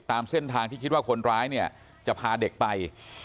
ตามเส้นทางที่คิดว่าคนร้ายเนี่ยจะพาเด็กไป